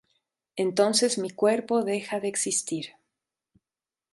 Entonces mi cuerpo deja de existir.